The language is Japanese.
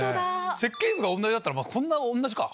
設計図が同じだったらまぁこんな同じか。